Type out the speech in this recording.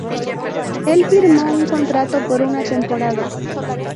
Él firmó un contrato por una temporada.